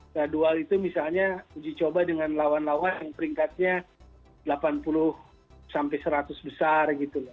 jadwal itu misalnya uji coba dengan lawan lawan yang peringkatnya delapan puluh sampai seratus besar gitu loh